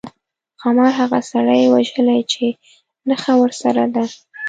ښامار هغه سړي وژلی چې نخښه ورسره ده.